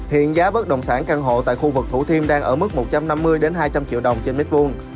hiện giá bất động sản căn hộ tại khu vực thủ thiêm đang ở mức một trăm năm mươi hai trăm linh triệu đồng trên mét vuông